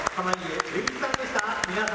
「皆様